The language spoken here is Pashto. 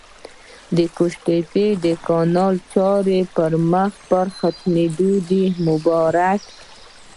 د قوشتېپې کانال چارې مخ پر ختمېدو دي! مبارک